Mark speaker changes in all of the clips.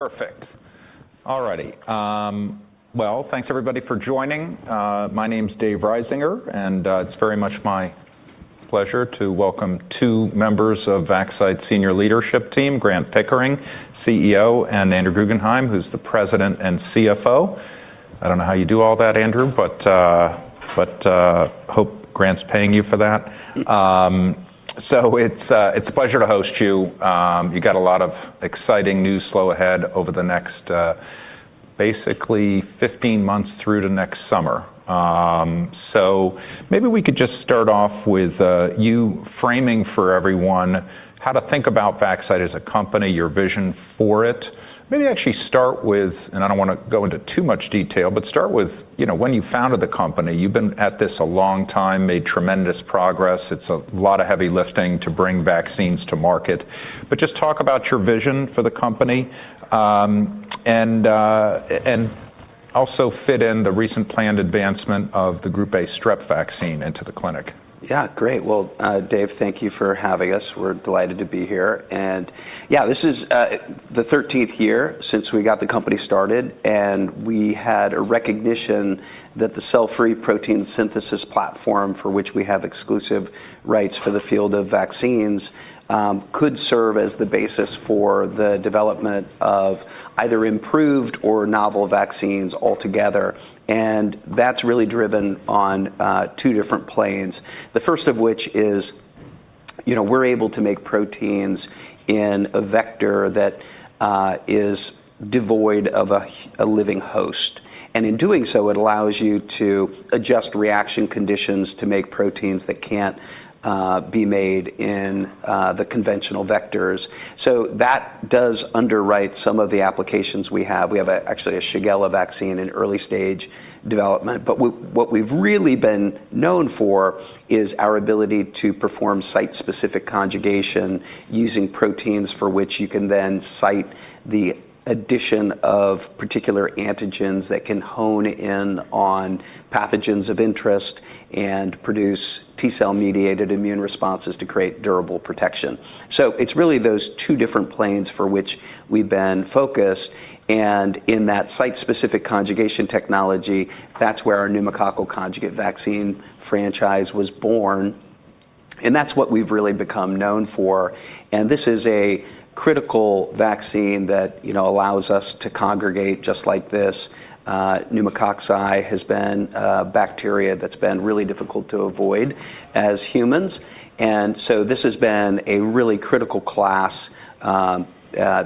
Speaker 1: Perfect. All righty. Well, thanks everybody for joining. My name's David Risinger, and it's very much my pleasure to welcome two members of Vaxcyte senior leadership team, Grant Pickering, CEO, and Andrew Guggenhime, who's the President and CFO. I don't know how you do all that, Andrew, but hope Grant's paying you for that. It's a pleasure to host you. You got a lot of exciting news flow ahead over the next, basically 15 months through to next summer. Maybe we could just start off with you framing for everyone how to think about Vaxcyte as a company, your vision for it. Maybe actually start with, and I don't wanna go into too much detail, but start with, you know, when you founded the company, you've been at this a long time, made tremendous progress. It's a lot of heavy lifting to bring vaccines to market. Just talk about your vision for the company, and also fit in the recent planned advancement of the Group A Strep vaccine into the clinic.
Speaker 2: Yeah, great. Well, Dave, thank you for having us. We're delighted to be here. Yeah, this is the 13th year since we got the company started, and we had a recognition that the cell-free protein synthesis platform for which we have exclusive rights for the field of vaccines, could serve as the basis for the development of either improved or novel vaccines altogether. That's really driven on two different planes. The first of which is, you know, we're able to make proteins in a vector that is devoid of a living host. In doing so, it allows you to adjust reaction conditions to make proteins that can't be made in the conventional vectors. That does underwrite some of the applications we have. We have actually a Shigella vaccine in early stage development. What we've really been known for is our ability to perform site-specific conjugation using proteins for which you can then cite the addition of particular antigens that can hone in on pathogens of interest and produce T-cell mediated immune responses to create durable protection. It's really those two different planes for which we've been focused, and in that site-specific conjugation technology, that's where our pneumococcal conjugate vaccine franchise was born, and that's what we've really become known for. This is a critical vaccine that, you know, allows us to congregate just like this. Pneumococci has been a bacteria that's been really difficult to avoid as humans. This has been a really critical class that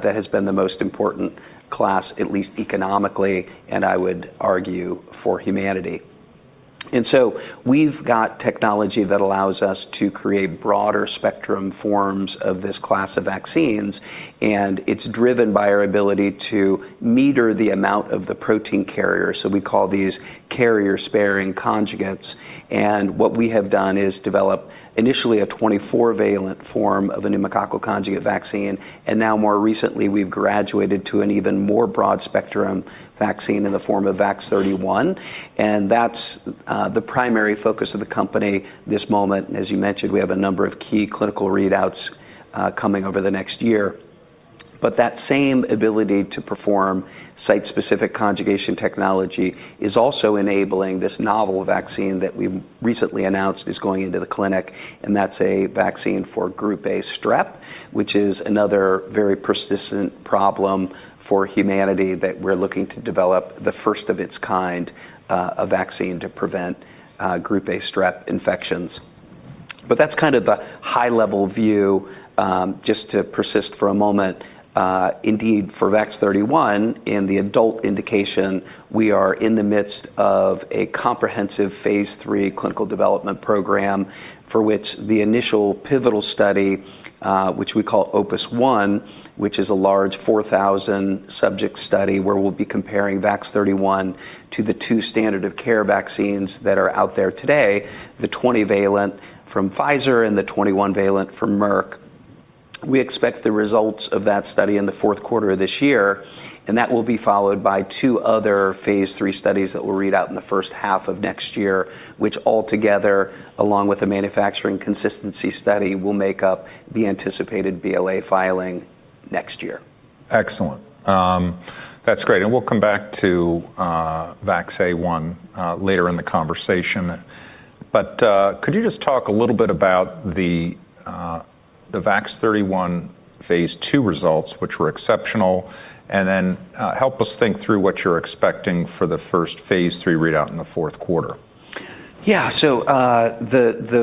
Speaker 2: has been the most important class, at least economically, and I would argue for humanity. We've got technology that allows us to create broader spectrum forms of this class of vaccines, and it's driven by our ability to meter the amount of the protein carrier. We call these carrier-sparing conjugates. What we have done is develop initially a 24-valent form of a pneumococcal conjugate vaccine, and now more recently, we've graduated to an even more broad spectrum vaccine in the form of VAX-31. That's the primary focus of the company this moment. As you mentioned, we have a number of key clinical readouts coming over the next year. That same ability to perform site-specific conjugation technology is also enabling this novel vaccine that we've recently announced is going into the clinic, and that's a vaccine for Group A Strep, which is another very persistent problem for humanity that we're looking to develop the first of its kind, a vaccine to prevent Group A Strep infections. That's kind of a high-level view, just to persist for a moment. Indeed, for VAX-31 in the adult indication, we are in the midst of a comprehensive phase III clinical development program for which the initial pivotal study, which we call OPUS-1, which is a large 4,000 subject study where we'll be comparing VAX-31 to the two standard of care vaccines that are out there today, the 20-valent from Pfizer and the 21-valent from Merck. We expect the results of that study in the fourth quarter of this year, and that will be followed by two other phase III studies that will read out in the first half of next year, which altogether, along with a manufacturing consistency study, will make up the anticipated BLA filing next year.
Speaker 1: Excellent. That's great. We'll come back to VAX-A1 later in the conversation. Could you just talk a little bit about the VAX-31 phase II results, which were exceptional, and then help us think through what you're expecting for the first phase III readout in the fourth quarter?
Speaker 2: The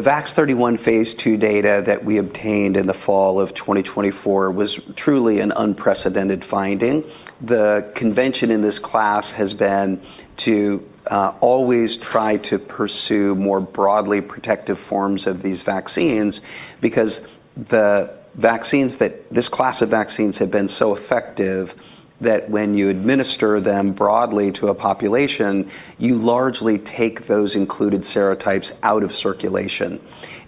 Speaker 2: VAX-31 phase II data that we obtained in the fall of 2024 was truly an unprecedented finding. The convention in this class has been to always try to pursue more broadly protective forms of these vaccines because the vaccines that this class of vaccines have been so effective that when you administer them broadly to a population, you largely take those included serotypes out of circulation,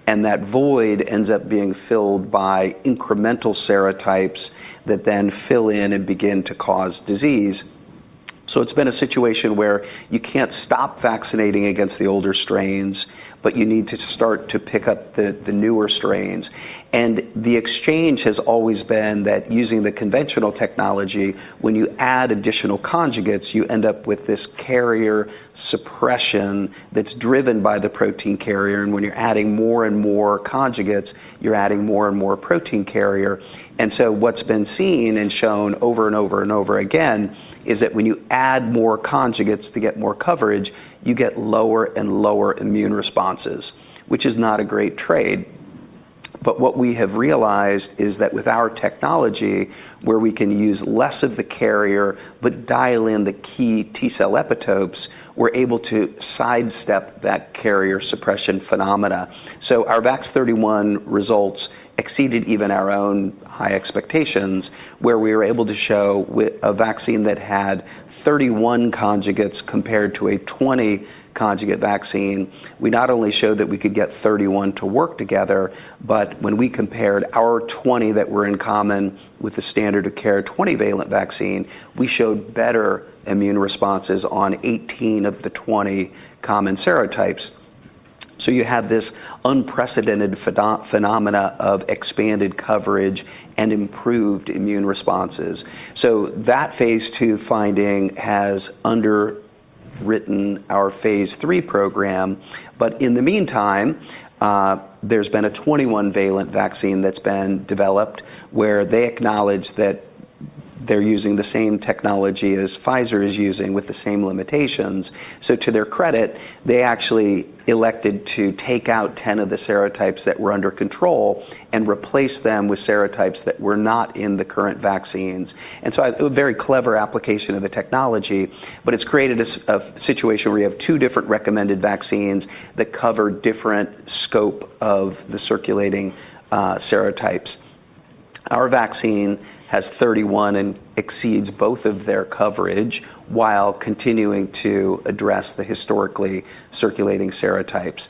Speaker 2: and that void ends up being filled by incremental serotypes that then fill in and begin to cause disease. It's been a situation where you can't stop vaccinating against the older strains, but you need to start to pick up the newer strains. The exchange has always been that using the conventional technology, when you add additional conjugates, you end up with this carrier suppression that's driven by the protein carrier, and when you're adding more and more conjugates, you're adding more and more protein carrier. What's been seen and shown over and over and over again is that when you add more conjugates to get more coverage, you get lower and lower immune responses, which is not a great trade. What we have realized is that with our technology where we can use less of the carrier but dial in the key T-cell epitopes, we're able to sidestep that carrier suppression phenomena. Our VAX-31 results exceeded even our own high expectations, where we were able to show a vaccine that had 31 conjugates compared to a 20 conjugate vaccine. We not only showed that we could get 31 to work together, but when we compared our 20 that were in common with the standard of care 20-valent vaccine, we showed better immune responses on 18 of the 20 common serotypes. You have this unprecedented pheno-phenomena of expanded coverage and improved immune responses. That phase II finding has underwritten our phase III program. In the meantime, there's been a 21-valent vaccine that's been developed where they acknowledge that they're using the same technology as Pfizer is using with the same limitations. To their credit, they actually elected to take out 10 of the serotypes that were under control and replace them with serotypes that were not in the current vaccines. A very clever application of the technology, but it's created a situation where you have two different recommended vaccines that cover different scope of the circulating serotypes. Our vaccine has 31 and exceeds both of their coverage while continuing to address the historically circulating serotypes.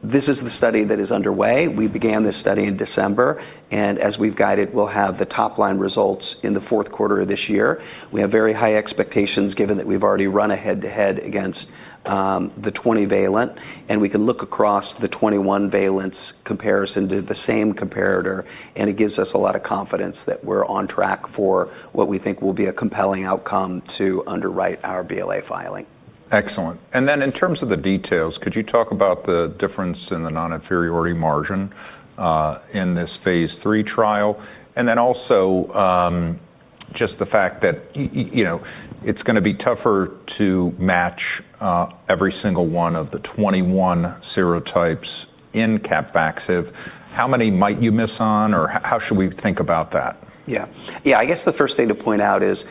Speaker 2: This is the study that is underway. We began this study in December, and as we've guided, we'll have the top-line results in the fourth quarter of this year. We have very high expectations given that we've already run a head-to-head against the 20-valent, and we can look across the 21-valent comparison to the same comparator, and it gives us a lot of confidence that we're on track for what we think will be a compelling outcome to underwrite our BLA filing.
Speaker 1: Excellent. In terms of the details, could you talk about the difference in the non-inferiority margin in this phase III trial? Just the fact that you know, it's gonna be tougher to match every single one of the 21 serotypes in CAPVAXIVE. How many might you miss on, or how should we think about that?
Speaker 2: Yeah. Yeah, I guess the first thing to point out is,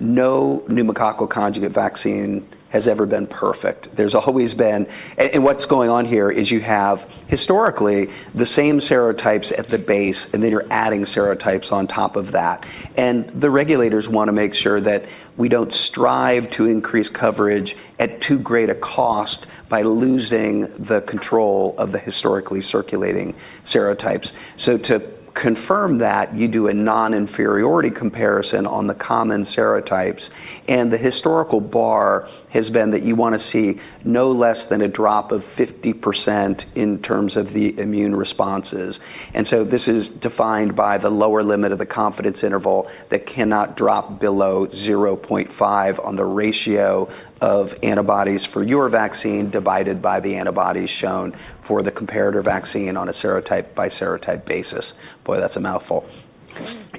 Speaker 2: no pneumococcal conjugate vaccine has ever been perfect. There's always been. What's going on here is you have historically the same serotypes at the base, and then you're adding serotypes on top of that. The regulators wanna make sure that we don't strive to increase coverage at too great a cost by losing the control of the historically circulating serotypes. To confirm that, you do a non-inferiority comparison on the common serotypes, and the historical bar has been that you wanna see no less than a drop of 50% in terms of the immune responses. This is defined by the lower limit of the confidence interval that cannot drop below 0.5 on the ratio of antibodies for your vaccine divided by the antibodies shown for the comparator vaccine on a serotype by serotype basis. Boy, that's a mouthful.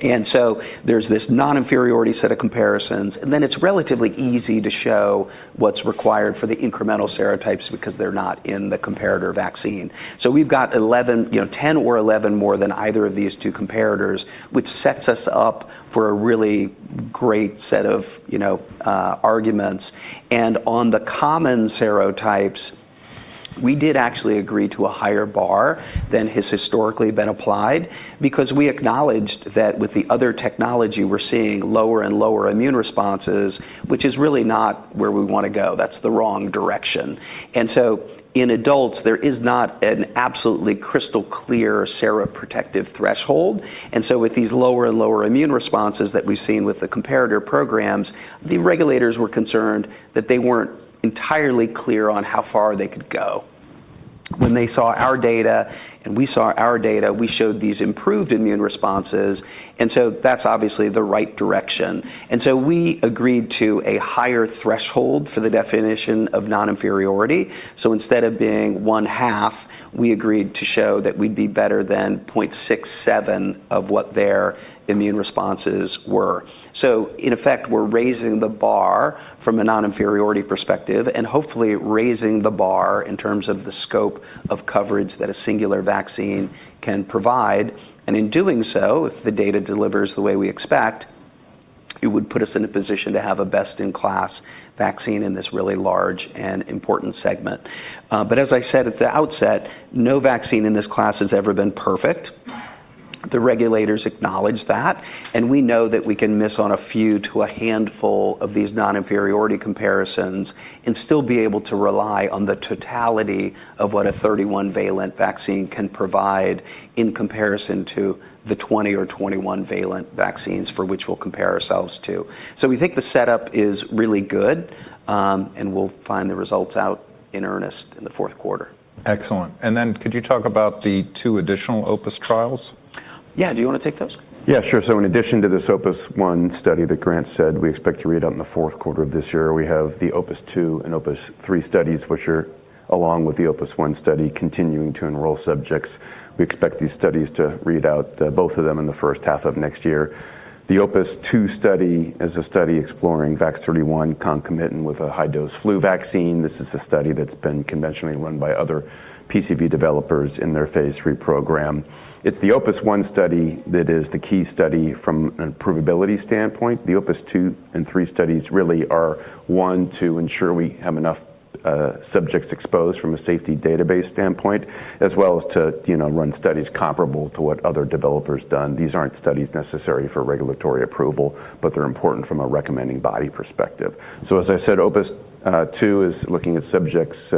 Speaker 2: There's this non-inferiority set of comparisons, and then it's relatively easy to show what's required for the incremental serotypes because they're not in the comparator vaccine. So we've got 11, you know, 10 or 11 more than either of these two comparators, which sets us up for a really great set of, you know, arguments. On the common serotypes, we did actually agree to a higher bar than has historically been applied because we acknowledged that with the other technology, we're seeing lower and lower immune responses, which is really not where we wanna go. That's the wrong direction. In adults, there is not an absolutely crystal clear seroprotective threshold. With these lower and lower immune responses that we've seen with the comparator programs, the regulators were concerned that they weren't entirely clear on how far they could go. When they saw our data and we saw our data, we showed these improved immune responses. That's obviously the right direction. We agreed to a higher threshold for the definition of non-inferiority. Instead of being one-half, we agreed to show that we'd be better than 0.67 of what their immune responses were. In effect, we're raising the bar from a non-inferiority perspective and hopefully raising the bar in terms of the scope of coverage that a singular vaccine can provide. In doing so, if the data delivers the way we expect, it would put us in a position to have a best-in-class vaccine in this really large and important segment. As I said at the outset, no vaccine in this class has ever been perfect. The regulators acknowledge that, we know that we can miss on a few to a handful of these non-inferiority comparisons and still be able to rely on the totality of what a 31-valent vaccine can provide in comparison to the 20 or 21-valent vaccines for which we'll compare ourselves to. We think the setup is really good, and we'll find the results out in earnest in the fourth quarter.
Speaker 1: Excellent. Could you talk about the two additional OPUS trials?
Speaker 2: Yeah. Do you want to take those?
Speaker 3: Yeah, sure. In addition to this OPUS-1 study that Grant said we expect to read out in the fourth quarter of this year, we have the OPUS-2 and OPUS-3 studies, which are, along with the OPUS-1 study, continuing to enroll subjects. We expect these studies to read out, both of them, in the first half of next year. The OPUS-2 study is a study exploring VAX-31 concomitant with a high-dose flu vaccine. This is a study that's been conventionally run by other PCV developers in their phase III program. It's the OPUS-1 study that is the key study from an approvability standpoint. The OPUS-2 and OPUS-3 studies really are, one, to ensure we have enough subjects exposed from a safety database standpoint, as well as to, you know, run studies comparable to what other developers' done. These aren't studies necessary for regulatory approval, but they're important from a recommending body perspective. As I said, OPUS-2 is looking at subjects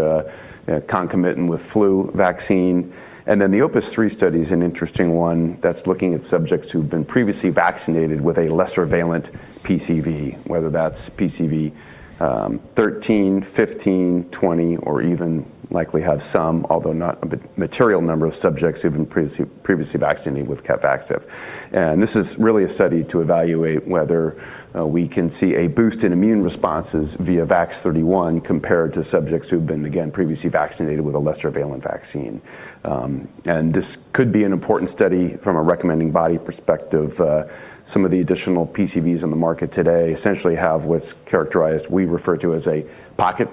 Speaker 3: concomitant with flu vaccine. The OPUS-3 study is an interesting one that's looking at subjects who've been previously vaccinated with a lesser valent PCV, whether that's PCV 13, 15, 20, or even likely have some, although not a material number of subjects who've been previously vaccinated with CAPVAXIVE. This is really a study to evaluate whether we can see a boost in immune responses via VAX-31 compared to subjects who've been, again, previously vaccinated with a lesser valent vaccine. This could be an important study from a recommending body perspective. Some of the additional PCVs on the market today essentially have what's characterized, we refer to as a polysaccharide-based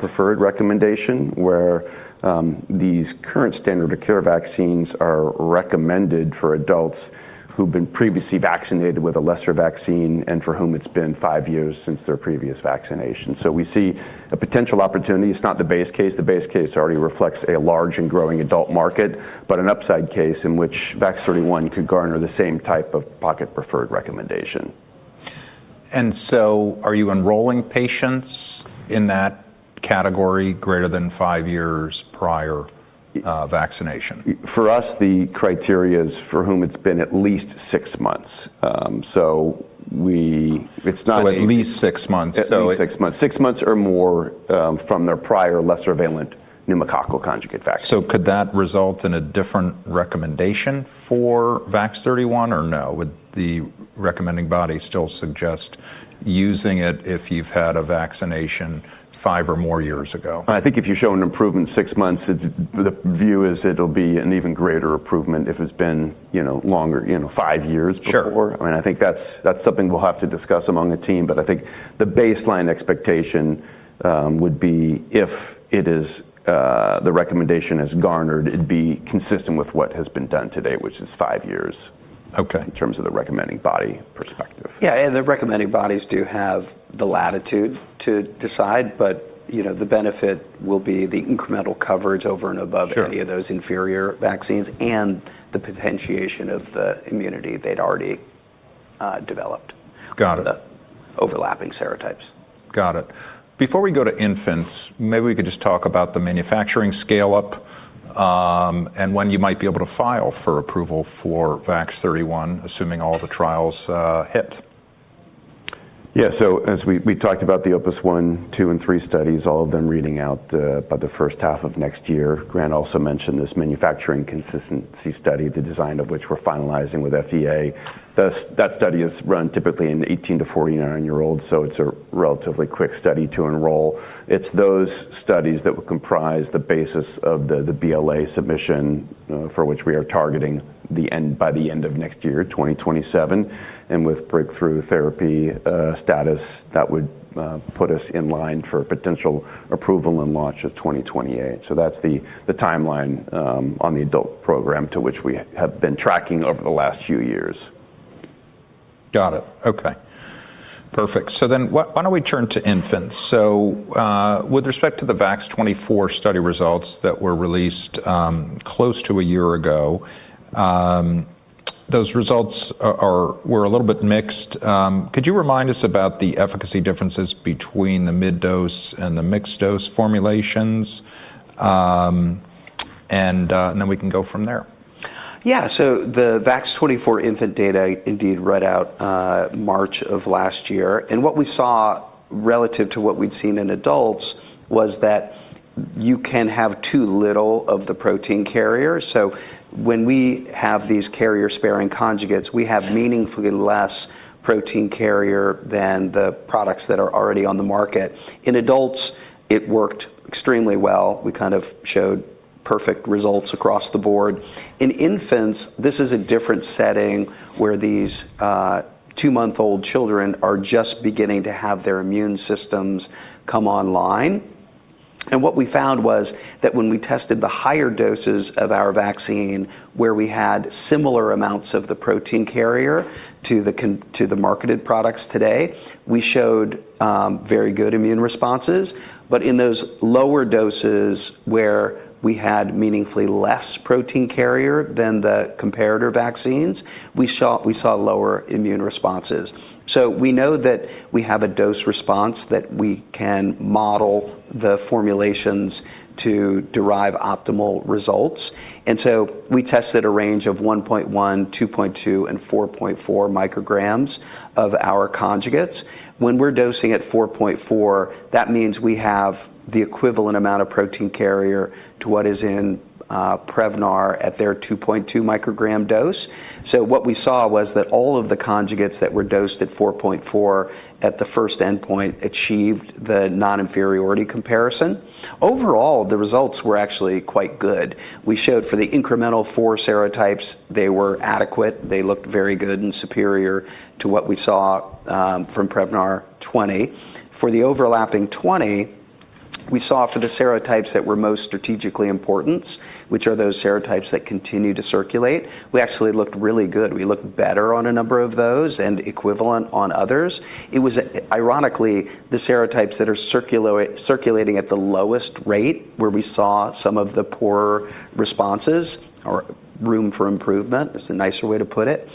Speaker 3: preferred recommendation, where these current standard of care vaccines are recommended for adults who've been previously vaccinated with a lesser vaccine and for whom it's been five years since their previous vaccination. We see a potential opportunity. It's not the base case. The base case already reflects a large and growing adult market, but an upside case in which VAX-31 could garner the same type of polysaccharide-based preferred recommendation.
Speaker 1: Are you enrolling patients in that category greater than five years prior, vaccination?
Speaker 3: For us, the criteria is for whom it's been at least six months. It's not...
Speaker 1: At least six months.
Speaker 3: At least 6 months. 6 months or more, from their prior lesser valent pneumococcal conjugate vaccine.
Speaker 1: Could that result in a different recommendation for VAX-31, or no? Would the recommending body still suggest using it if you've had a vaccination five or more years ago?
Speaker 3: I think if you show an improvement six months, the view is it'll be an even greater improvement if it's been, you know, longer, you know, five years before.
Speaker 1: Sure.
Speaker 3: I mean, I think that's something we'll have to discuss among the team, but I think the baseline expectation would be if it is the recommendation is garnered, it'd be consistent with what has been done today, which is five years.
Speaker 1: Okay
Speaker 3: In terms of the recommending body perspective.
Speaker 2: The recommending bodies do have the latitude to decide, but, you know, the benefit will be the incremental coverage over and above...
Speaker 1: Sure
Speaker 2: any of those inferior vaccines and the potentiation of the immunity they'd already developed.
Speaker 1: Got it.
Speaker 2: The overlapping serotypes.
Speaker 1: Got it. Before we go to infants, maybe we could just talk about the manufacturing scale-up, and when you might be able to file for approval for VAX-31, assuming all the trials hit.
Speaker 3: As we talked about the OPUS-1, OPUS-2, and OPUS-3 studies, all of them reading out by the first half of next year. Grant also mentioned this manufacturing consistency study, the design of which we're finalizing with FDA. Thus, that study is run typically in 18-49-year-olds, so it's a relatively quick study to enroll. It's those studies that will comprise the basis of the BLA submission, for which we are targeting the end, by the end of next year, 2027. With breakthrough therapy status, that would put us in line for potential approval and launch of 2028. That's the timeline on the adult program to which we have been tracking over the last few years.
Speaker 1: Got it. Okay. Perfect. Why don't we turn to infants? With respect to the VAX-24 study results that were released close to a year ago, those results were a little bit mixed. Could you remind us about the efficacy differences between the mid-dose and the mixed-dose formulations? And we can go from there.
Speaker 2: The VAX-24 infant data indeed read out, March of last year. What we saw relative to what we'd seen in adults was that you can have too little of the protein carrier. When we have these carrier-sparing conjugates, we have meaningfully less protein carrier than the products that are already on the market. In adults, it worked extremely well. We kind of showed perfect results across the board. In infants, this is a different setting where these, two-month-old children are just beginning to have their immune systems come online. What we found was that when we tested the higher doses of our vaccine, where we had similar amounts of the protein carrier to the marketed products today, we showed very good immune responses. In those lower doses, where we had meaningfully less protein carrier than the comparator vaccines, we saw lower immune responses. We know that we have a dose response that we can model the formulations to derive optimal results. We tested a range of 1.1, 2.2, and 4.4 micrograms of our conjugates. When we're dosing at 4.4, that means we have the equivalent amount of protein carrier to what is in Prevnar at their 2.2 microgram dose. What we saw was that all of the conjugates that were dosed at 4.4 at the first endpoint achieved the non-inferiority comparison. Overall, the results were actually quite good. We showed for the incremental 4 serotypes, they were adequate. They looked very good and superior to what we saw from Prevnar 20. For the overlapping 20, we saw for the serotypes that were most strategically important, which are those serotypes that continue to circulate, we actually looked really good. We looked better on a number of those and equivalent on others. It was ironically the serotypes that are circulating at the lowest rate where we saw some of the poorer responses or room for improvement. That's a nicer way to put it.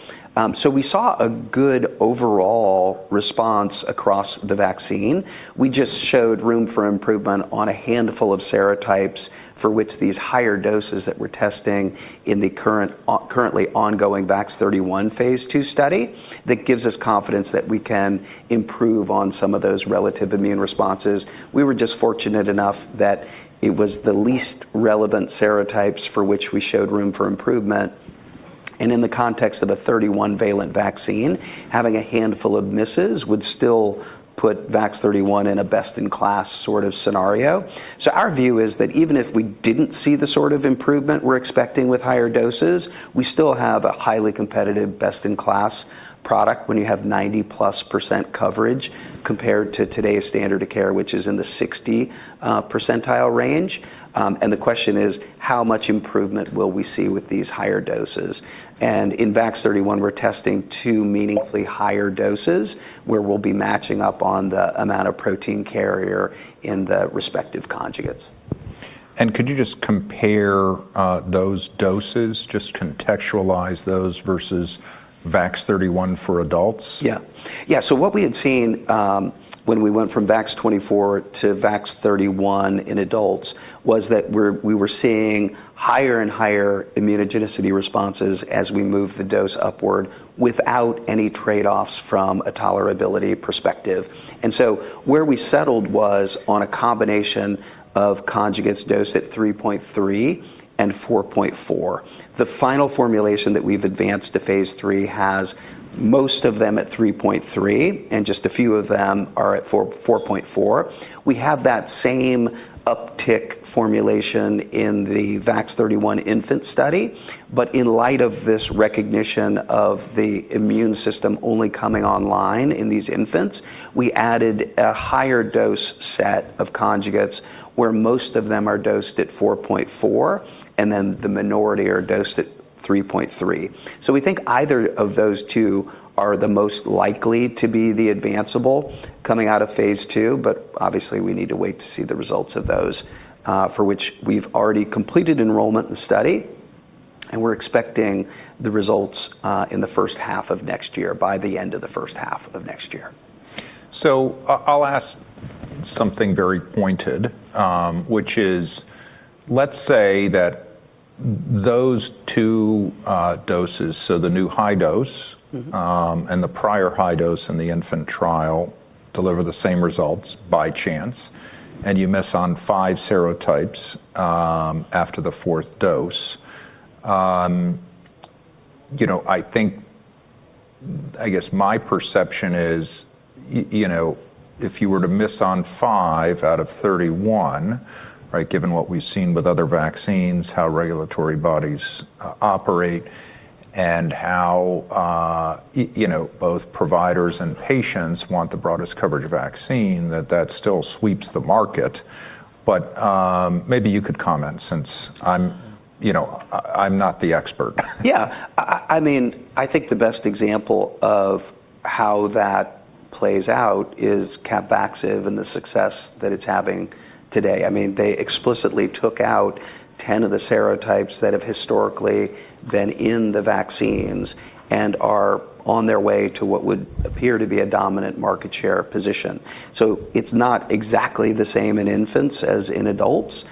Speaker 2: We saw a good overall response across the vaccine. We just showed room for improvement on a handful of serotypes for which these higher doses that we're testing in the current, currently ongoing VAX-31 phase 2 study that gives us confidence that we can improve on some of those relative immune responses. We were just fortunate enough that it was the least relevant serotypes for which we showed room for improvement. In the context of a 31-valent vaccine, having a handful of misses would still put VAX-31 in a best-in-class sort of scenario. Our view is that even if we didn't see the sort of improvement we're expecting with higher doses, we still have a highly competitive best-in-class product when you have 90%+ coverage compared to today's standard of care, which is in the 60 percentile range. The question is, how much improvement will we see with these higher doses? In VAX-31, we're testing two meaningfully higher doses, where we'll be matching up on the amount of protein carrier in the respective conjugates.
Speaker 1: Could you just compare, those doses, just contextualize those versus VAX-31 for adults?
Speaker 2: Yeah. Yeah. What we had seen, when we went from VAX-24 to VAX-31 in adults was that we were seeing higher and higher immunogenicity responses as we moved the dose upward without any trade-offs from a tolerability perspective. Where we settled was on a combination of conjugates dosed at 3.3 and 4.4. The final formulation that we've advanced to phase III has most of them at 3.3, and just a few of them are at 4.4. We have that same uptick formulation in the VAX-31 infant study. In light of this recognition of the immune system only coming online in these infants, we added a higher dose set of conjugates where most of them are dosed at 4.4, and then the minority are dosed at 3.3. We think either of those two are the most likely to be the advanceable coming out of phase II, but obviously we need to wait to see the results of those, for which we've already completed enrollment in the study, and we're expecting the results in the first half of next year, by the end of the first half of next year.
Speaker 1: I'll ask something very pointed, which is, let's say that those two doses, so the new high dose...
Speaker 2: Mm-hmm...
Speaker 1: the prior high dose in the infant trial deliver the same results by chance, and you miss on five serotypes after the fourth dose. You know, I think, I guess my perception is, you know, if you were to miss on five out of 31, right, given what we've seen with other vaccines, how regulatory bodies operate and how you know, both providers and patients want the broadest coverage vaccine, that still sweeps the market. Maybe you could comment since I'm, you know, I'm not the expert.
Speaker 2: Yeah. I mean, I think the best example of how that plays out is CAPVAXIVE and the success that it's having today. I mean, they explicitly took out 10 of the serotypes that have historically been in the vaccines and are on their way to what would appear to be a dominant market share position. It's not exactly the same in infants as in adults.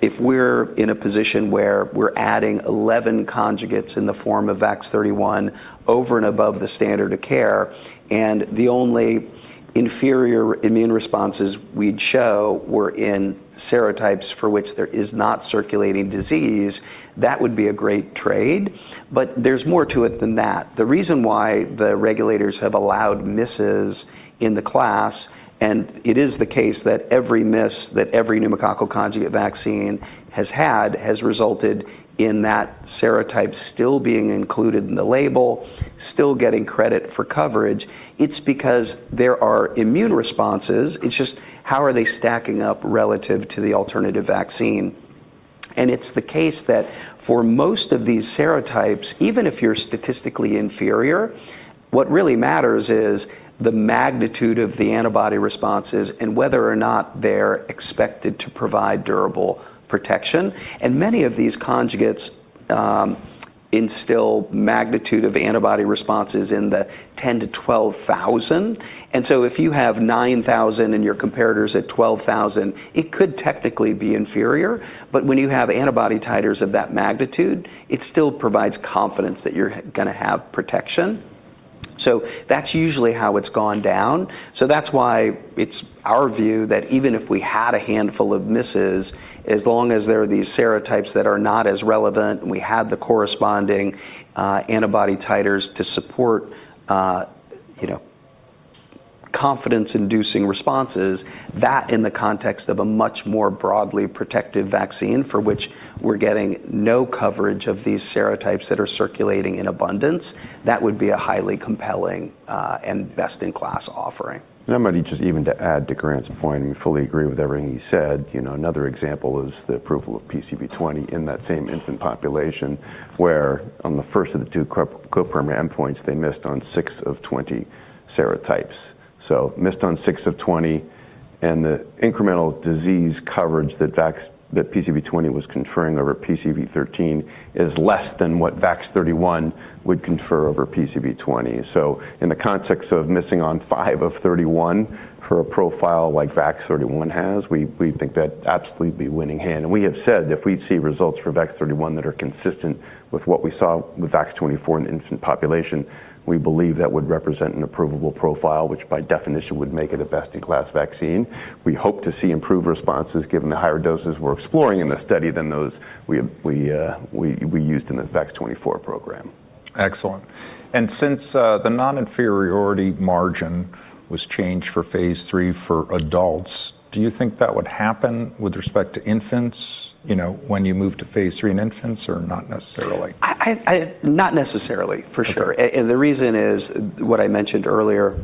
Speaker 2: If we're in a position where we're adding 11 conjugates in the form of VAX-31 over and above the standard of care, and the only inferior immune responses we'd show were in serotypes for which there is not circulating disease, that would be a great trade. There's more to it than that. The reason why the regulators have allowed misses in the class, and it is the case that every miss that every pneumococcal conjugate vaccine has had has resulted in that serotype still being included in the label, still getting credit for coverage. It's because there are immune responses. It's just how are they stacking up relative to the alternative vaccine? It's the case that for most of these serotypes, even if you're statistically inferior, what really matters is the magnitude of the antibody responses and whether or not they're expected to provide durable protection. Many of these conjugates instill magnitude of antibody responses in the 10,000-12,000. If you have 9,000 and your comparator's at 12,000, it could technically be inferior. When you have antibody titers of that magnitude, it still provides confidence that you're gonna have protection. That's usually how it's gone down. That's why it's our view that even if we had a handful of misses, as long as they're these serotypes that are not as relevant, and we have the corresponding antibody titers to support, you know, confidence-inducing responses, that in the context of a much more broadly protective vaccine for which we're getting no coverage of these serotypes that are circulating in abundance, that would be a highly compelling and best-in-class offering.
Speaker 3: Maybe just even to add to Grant's point, and we fully agree with everything he said, you know, another example is the approval of PCV20 in that same infant population, where on the first of the two co-primary endpoints, they missed on six of 20 serotypes. Missed on six of 20, and the incremental disease coverage that PCV20 was conferring over PCV13 is less than what VAX-31 would confer over PCV20. In the context of missing on five of 31 for a profile like VAX-31 has, we think that'd absolutely be a winning hand. We have said if we see results for VAX-31 that are consistent with what we saw with VAX-24 in the infant population, we believe that would represent an approvable profile, which by definition would make it a best-in-class vaccine. We hope to see improved responses given the higher doses we're exploring in the study than those we used in the VAX-24 program.
Speaker 1: Excellent. Since the non-inferiority margin was changed for phase III for adults, do you think that would happen with respect to infants, you know, when you move to phase III in infants, or not necessarily?
Speaker 2: Not necessarily, for sure.
Speaker 1: Okay.
Speaker 2: The reason is what I mentioned earlier.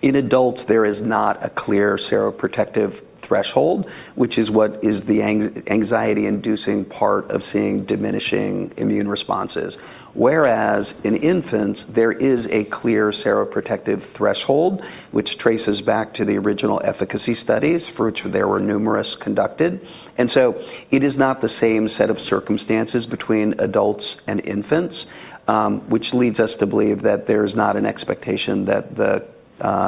Speaker 2: In adults, there is not a clear seroprotective threshold, which is what is the anxiety-inducing part of seeing diminishing immune responses. Whereas in infants, there is a clear seroprotective threshold, which traces back to the original efficacy studies, for which there were numerous conducted. It is not the same set of circumstances between adults and infants, which leads us to believe that there's not an expectation that the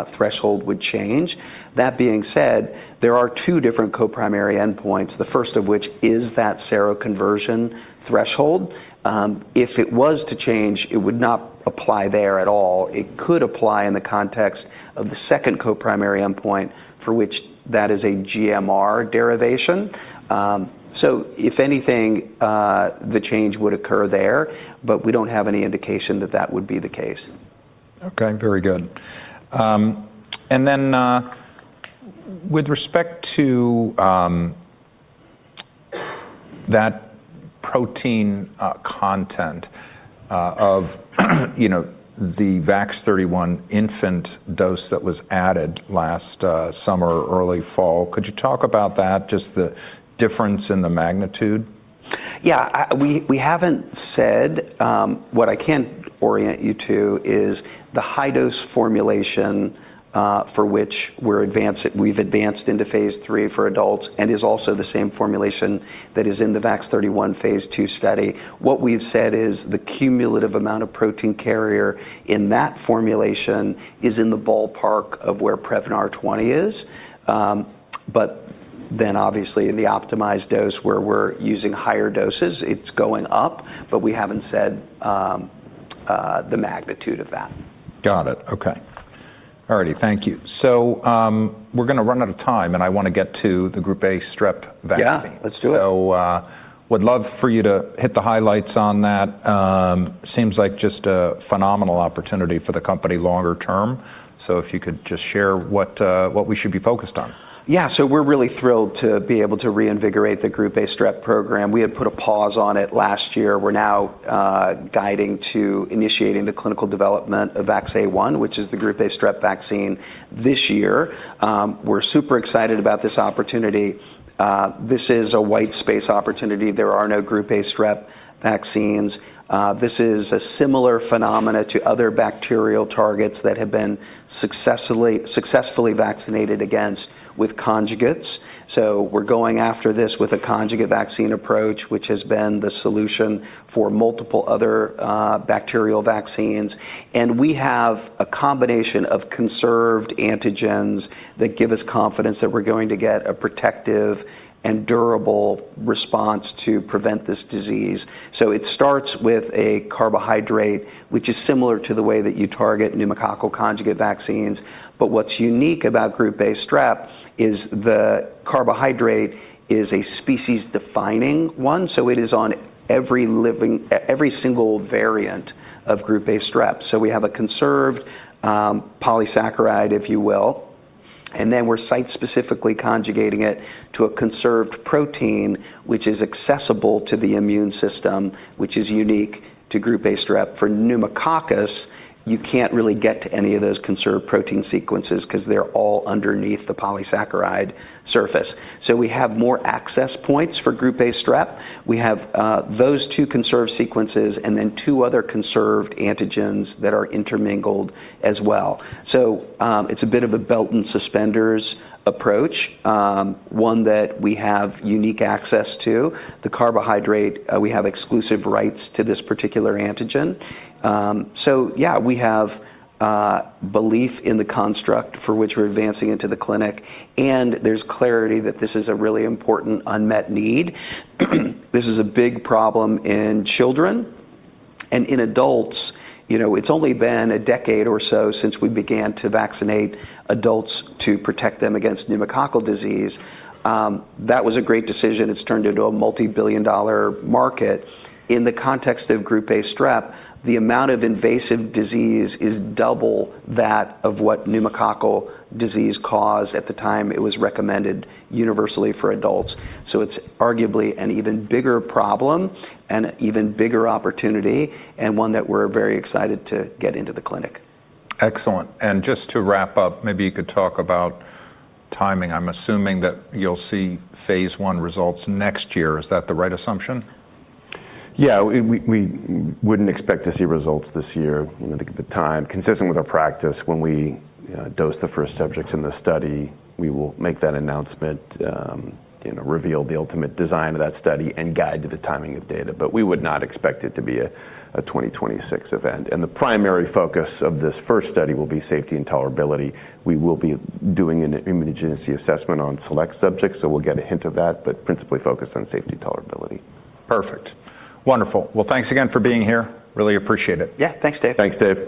Speaker 2: threshold would change. That being said, there are two different co-primary endpoints, the first of which is that seroconversion threshold. If it was to change, it would not apply there at all. It could apply in the context of the second co-primary endpoint, for which that is a GMR derivation. If anything, the change would occur there, but we don't have any indication that that would be the case.
Speaker 1: Okay, very good. With respect to that protein content of, you know, the VAX-31 infant dose that was added last summer or early fall, could you talk about that, just the difference in the magnitude?
Speaker 2: We haven't said. What I can orient you to is the high-dose formulation, for which we've advanced into phase III for adults and is also the same formulation that is in the VAX-31 phase II study. What we've said is the cumulative amount of protein carrier in that formulation is in the ballpark of where Prevnar 20 is. Obviously, in the optimized dose, where we're using higher doses, it's going up, but we haven't said the magnitude of that.
Speaker 1: Got it. Okay. All righty, thank you. We're gonna run out of time, and I wanna get to the Group A Strep vaccine.
Speaker 2: Yeah, let's do it.
Speaker 1: Would love for you to hit the highlights on that. Seems like just a phenomenal opportunity for the company longer term. If you could just share what we should be focused on.
Speaker 2: Yeah, we're really thrilled to be able to reinvigorate the Group A Strep program. We had put a pause on it last year. We're now guiding to initiating the clinical development of VAX-A1, which is the Group A Strep vaccine, this year. We're super excited about this opportunity. This is a white space opportunity. There are no Group A Strep vaccines. This is a similar phenomena to other bacterial targets that have been successfully vaccinated against with conjugates. We're going after this with a conjugate vaccine approach, which has been the solution for multiple other bacterial vaccines. We have a combination of conserved antigens that give us confidence that we're going to get a protective and durable response to prevent this disease. It starts with a carbohydrate, which is similar to the way that you target pneumococcal conjugate vaccines, but what's unique about Group A Strep is the carbohydrate is a species-defining one. It is on every single variant of Group A Strep. We have a conserved polysaccharide, if you will. And then we're site-specifically conjugating it to a conserved protein which is accessible to the immune system, which is unique to Group A Strep. For pneumococcus, you can't really get to any of those conserved protein sequences 'cause they're all underneath the polysaccharide surface. We have more access points for Group A Strep. We have those two conserved sequences and then two other conserved antigens that are intermingled as well. It's a bit of a belt and suspenders approach, one that we have unique access to. The carbohydrate, we have exclusive rights to this particular antigen. We have belief in the construct for which we're advancing into the clinic, and there's clarity that this is a really important unmet need. This is a big problem in children and in adults. You know, it's only been a decade or so since we began to vaccinate adults to protect them against pneumococcal disease. That was a great decision. It's turned into a multi-billion dollar market. In the context of Group A strep, the amount of invasive disease is double that of what pneumococcal disease caused at the time it was recommended universally for adults. It's arguably an even bigger problem and an even bigger opportunity and one that we're very excited to get into the clinic.
Speaker 1: Excellent. Just to wrap up, maybe you could talk about timing. I'm assuming that you'll see phase I results next year. Is that the right assumption?
Speaker 3: Yeah. We wouldn't expect to see results this year. You know, the time consistent with our practice when we, you know, dose the first subjects in the study, we will make that announcement, you know, reveal the ultimate design of that study and guide to the timing of data. We would not expect it to be a 2026 event. The primary focus of this first study will be safety and tolerability. We will be doing an immunogenicity assessment on select subjects, so we'll get a hint of that, but principally focused on safety tolerability.
Speaker 1: Perfect. Wonderful. Well, thanks again for being here. Really appreciate it.
Speaker 2: Yeah. Thanks, Dave.
Speaker 3: Thanks, Dave.